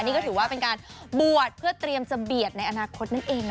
นี่ก็ถือว่าเป็นการบวชเพื่อเตรียมจะเบียดในอนาคตนั่นเองนะ